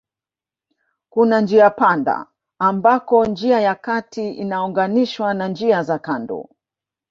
Kuna njiapanda ambako njia ya kati inaunganishwa na njia za kando